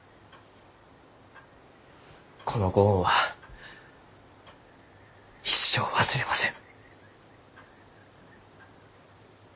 このご恩は一生忘れません。